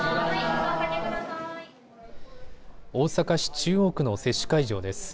大阪市中央区の接種会場です。